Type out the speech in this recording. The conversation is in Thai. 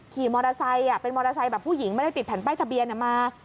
ขี่มอเตอร์ไซค์เป็นมอเตอร์ไซค์แบบผู้หญิงไม่ได้ติดแผ่นป้ายทะเบียนมา